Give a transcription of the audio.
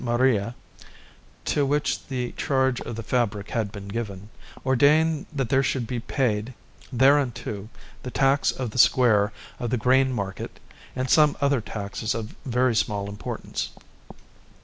Maria, to which the charge of the fabric had been given, ordained that there should be paid thereunto the tax of the square of the grain market and some other taxes of very small importance.